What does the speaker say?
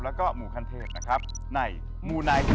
แล้วก็หมู่คันเทศนะครับในหมู่ไหน